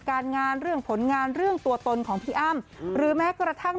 การงานเรื่องผลงานเรื่องตัวตนของพี่อ้ำหรือแม้กระทั่ง